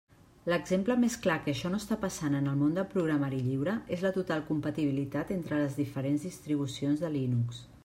L'exemple més clar que això no està passant en el món del programari lliure és la total compatibilitat entre les diferents distribucions de Linux.